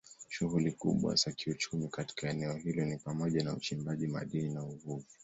Shughuli kubwa za kiuchumi katika eneo hilo ni pamoja na uchimbaji madini na uvuvi.